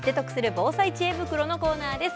防災知恵袋のコーナーです。